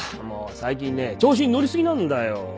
もう最近ね調子に乗り過ぎなんだよ。